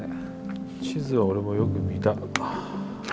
地図は俺もよく見た。